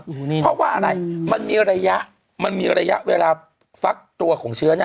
เพราะว่าอะไรมันมีระยะเวลาฟักตัวของเชื้อนี้